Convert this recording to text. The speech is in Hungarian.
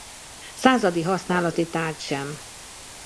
Századi használati tárgy sem.